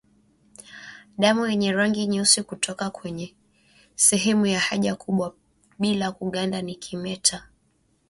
Damu yenye rangi nyeusi kutoka kwenye sehemu ya haja kubwa bila kuganda ni kimeta